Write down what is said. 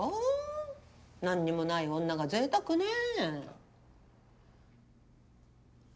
何にもない女がぜいたくねぇ。